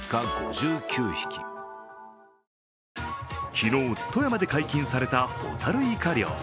昨日富山で解禁されたホタルイカ漁。